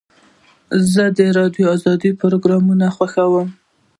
زه د راډیو د خبرو پروګرام خوښوم.